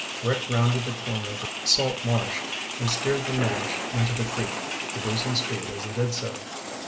Rick rounded the corner of the salt marsh and steered the launch into the creek, reducing speed as he did so.